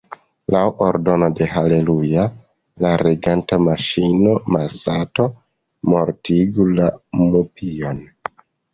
Laŭ ordono de Haleluja, la reganta maŝino, Masato mortigu la mupion.